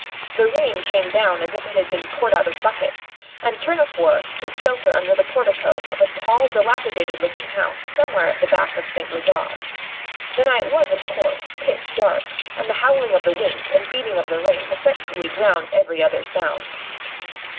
The rain came down as if it had been poured out of buckets, and Tournefort took shelter under the portico of a tall, dilapidated looking house somewhere at the back of St. Lazare. The night was, of course, pitch dark, and the howling of the wind and beating of the rain effectually drowned every other sound.